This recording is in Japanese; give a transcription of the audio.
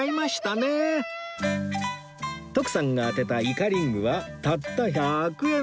徳さんが当てたイカリングはたった１００円